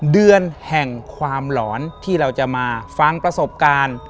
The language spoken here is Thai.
เดือนแห่งความหลอนที่เราจะมาฟังประสบการณ์